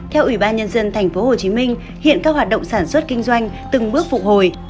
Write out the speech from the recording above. theo ủy ban nhân dân tp hcm hiện các hoạt động sản xuất kinh doanh từng bước phục hồi